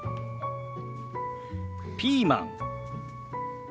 ピーマン。